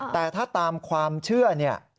แต่ถ้าตามความเชื่อเนี่ย